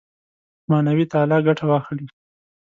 معنوي تعالي ګټه واخلي.